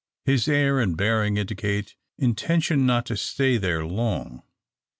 His air and bearing indicate intention not to stay there long.